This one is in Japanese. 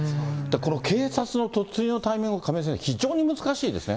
この警察の突入のタイミングも、亀井先生、非常に難しいですね。